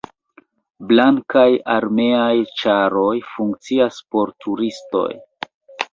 Blankaj armeaj ĉaroj funkcias por turistoj.